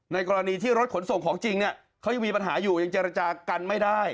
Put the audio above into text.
กรณีที่รถขนส่งของจริงเนี่ยเขายังมีปัญหาอยู่ยังเจรจากันไม่ได้